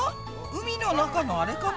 海の中のあれかな？